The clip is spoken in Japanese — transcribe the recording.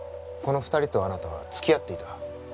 この二人とあなたはつきあっていた